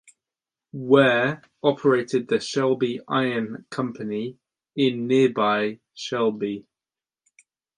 Ware operated the Shelby Iron Company in nearby Shelby.